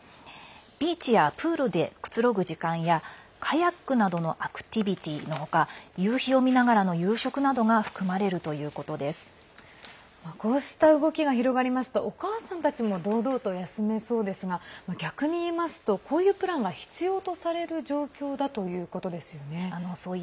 ビーチやプールでくつろぐ時間やカヤックなどのアクティビティーの他夕日を見ながらの夕食などがこうした動きが広がるとお母さんも堂々と休めそうですが逆に言いますとこういうプランが必要とされる状況だということですよね。